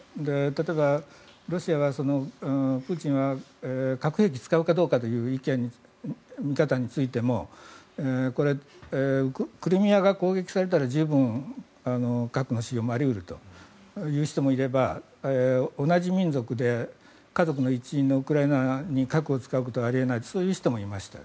例えばロシアは、プーチンは核兵器を使うかどうかという見方についてもクリミアが攻撃されたら十分、核の使用もあり得るという人もいれば同じ民族で家族の一員のウクライナに核を使うことはあり得ないそういう人もいました。